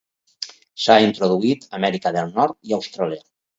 S'ha introduït a Amèrica del Nord i Austràlia.